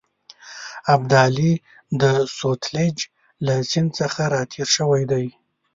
ابدالي د سوتلیج له سیند څخه را تېر شوی دی.